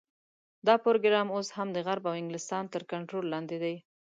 دا پروګرام اوس هم د غرب او انګلستان تر کنټرول لاندې دی.